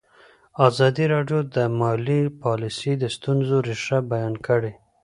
ازادي راډیو د مالي پالیسي د ستونزو رېښه بیان کړې.